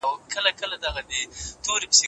انسانان خپلې ستونزې څنګه حل کړي؟